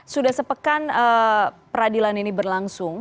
sudah sepekan peradilan ini berlangsung